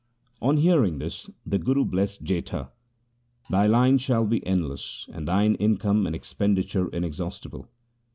On hearing this the Guru blessed Jetha :' Thy line shall be endless and thine income and expenditure inexhaustible.'